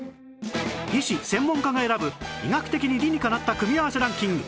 医師・専門家が選ぶ医学的に理にかなった組み合わせランキング